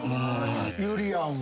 ゆりやんは？